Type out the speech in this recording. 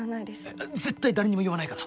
えっ絶対誰にも言わないから。